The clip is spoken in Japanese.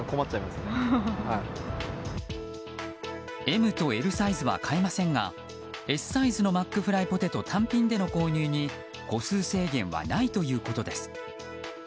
ＭとＬサイズは買えませんがＳサイズのマックフライポテト単品での購入に個数制限はないということです。